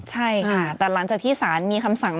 ใช่ค่ะแต่หลังจากที่สารมีคำสั่ง